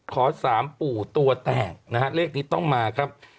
ขอสามปู่ตัวแตกนะฮะเลขนี้ต้องมาครับ